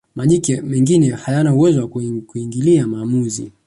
majike mengine hayana uwezo wa kuingilia maamuzi